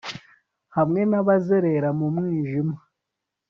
hamwe n'abazerera mu mwijima